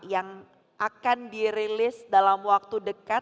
yang akan dirilis dalam waktu dekat